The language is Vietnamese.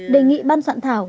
đề nghị ban soạn thảo